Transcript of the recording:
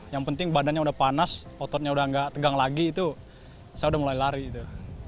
yang penting badannya udah panas ototnya udah gak tegang lagi itu saya udah mulai lari itu